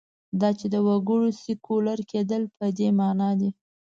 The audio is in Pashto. دا چې د وګړو سیکولر کېدل په دې معنا دي.